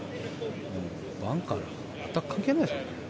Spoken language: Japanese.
バンカーなんか全く関係ないですもんね。